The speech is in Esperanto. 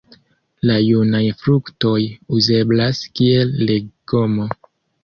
La junaj fruktoj uzeblas kiel legomo.